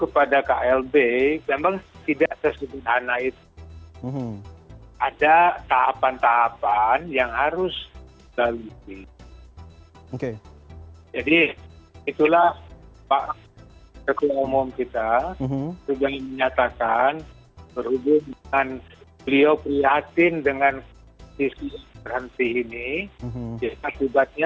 pembangunan pembangunan pembangunan